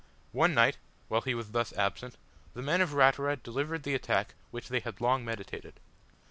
One night, while he was thus absent, the men of Ratura delivered the attack which they had long meditated.